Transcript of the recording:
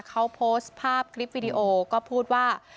เขาโพสต์ภาพคลิปวิดีโอก็พูดว่า